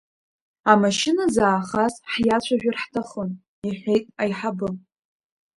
Амашьына заахаз ҳиацәажәар ҳҭахын, — иҳәеит аиҳабы.